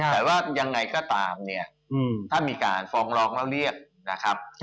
แต่ว่ายังไงก็ตามเนี่ยถ้ามีการฟ้องร้องแล้วเรียกนะครับ